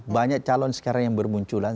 banyak calon sekarang yang bermunculan